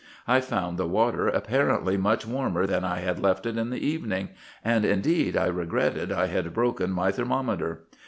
I found the water apparently much warmer than I had left it in the evening, and indeed I regretted I had broken my thermometer.